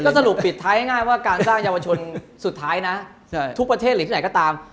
สรุปปิดท้ายง่ายว่าการสร้างเยาวชนสุดท้ายนะทุกประเทศหรือที่ไหนก็ตาม